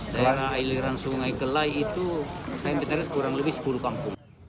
daerah aliran sungai kelai itu saya minta kurang lebih sepuluh kampung